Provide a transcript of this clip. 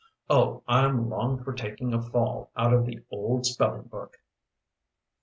Oh, I'm long for taking a fall out of the old spelling book."